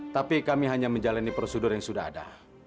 tapi kami hanya menjalani prosedur yang sudah ada